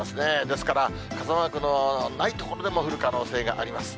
ですから、傘マークのない所でも降る可能性があります。